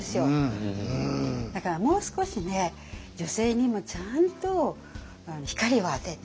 だからもう少しね女性にもちゃんと光を当てて。